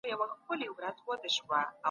د ټولني نزولي سير څه معنا لري؟